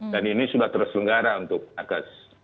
dan ini sudah terselenggara untuk penakas